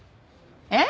えっ？